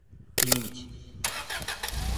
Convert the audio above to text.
Benim için.